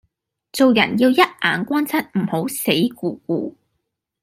做人要一眼關七唔好死咕咕